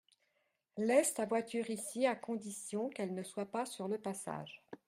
Laisse ta voiture ici à condition qu’elle ne soit pas sur le passage.